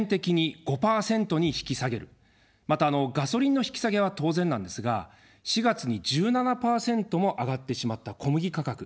また、ガソリンの引き下げは当然なんですが、４月に１７％も上がってしまった小麦価格。